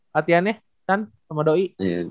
latihan ya san sama doi